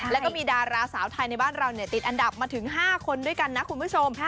แล้วก็มีดาราสาวไทยในบ้านเราติดอันดับมาถึง๕คนด้วยกันนะคุณผู้ชม